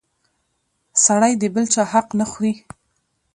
سړی د بل چا حق نه خوري!